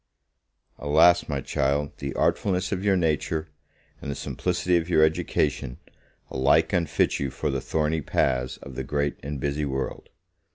Alas, my child, the artfulness of your nature, and the simplicity of your education, alike unfit you for the thorny paths of the great and busy world.